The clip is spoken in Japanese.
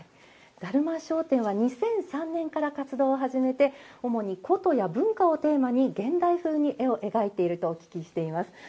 だるま商店は２００３年から活動を始めて主に古都や文化をテーマに現代風に絵を描いているとお聞きしています。